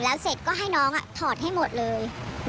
แล้วเสร็จก็ให้น้องถอดให้หมดเลย